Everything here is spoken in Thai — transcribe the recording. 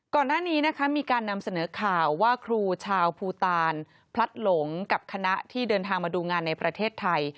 ก่อนหน้านี้นะคะมีการนำเสนอข่าวว่าครูชาวภูตานพลัดหลงกับคณะที่เดินทางมาดูงานในประเทศไทย